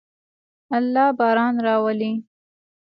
الله باران راولي.